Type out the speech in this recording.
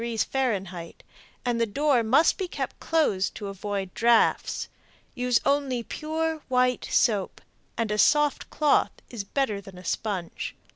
F., and the door must be kept closed to avoid drafts. Use only pure white soap, and a soft cloth is better than a sponge.